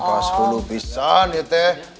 pas bulu pisan yuk teh